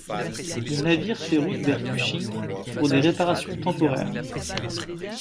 Le navire fait route vers Kuching pour des réparations temporaires.